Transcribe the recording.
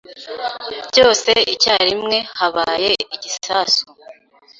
Byose icyarimwe habaye igisasu.